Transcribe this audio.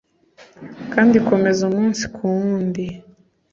kandi ikomeza umunsi ku wundi